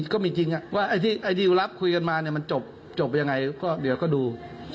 ก็มีจริงไอ้ดีลคุยกันมาจบยังไงเดี๋ยวก็ดู